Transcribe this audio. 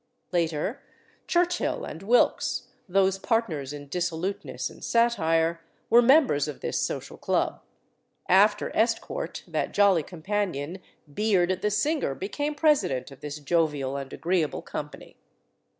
Later, Churchill and Wilkes, those partners in dissoluteness and satire, were members of this social club. After Estcourt, that jolly companion, Beard the singer, became president of this jovial and agreeable company.